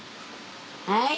はい。